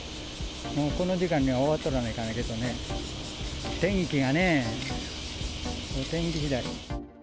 この時間には終わっとらんといかんけどね、天気がね、お天気しだ